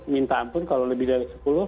minta ampun kalau lebih dari sepuluh